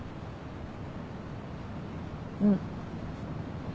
うん。